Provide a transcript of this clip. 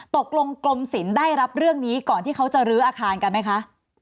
กรมศิลป์ได้รับเรื่องนี้ก่อนที่เขาจะลื้ออาคารกันไหมคะ